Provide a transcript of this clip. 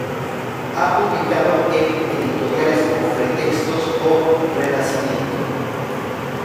Ha publicado en editoriales como Pre-Textos o Renacimiento.